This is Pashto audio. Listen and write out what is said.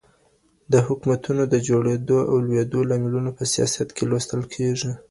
د حکومتونو د جوړېدو او لوېدو لاملونه په سیاست کې لوستل کېږي.